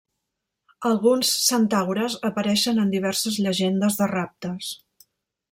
Alguns centaures apareixen en diverses llegendes de raptes.